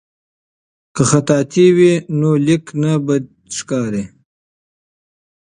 که خطاطي وي نو لیک نه بد ښکاریږي.